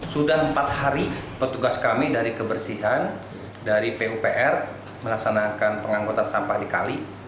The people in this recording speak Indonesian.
sudah empat hari petugas kami dari kebersihan dari pupr melaksanakan pengangkutan sampah di kali